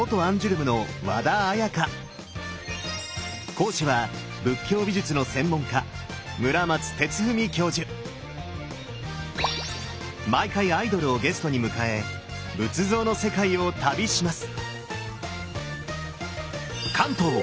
講師は仏教美術の専門家毎回アイドルをゲストに迎え仏像の世界を旅します！